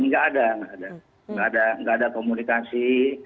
gak ada gak ada komunikasi